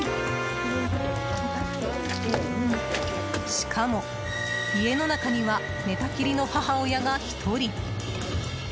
しかも、家の中には寝たきりの母親が１人。